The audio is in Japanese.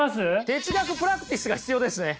哲学プラクティスが必要ですね！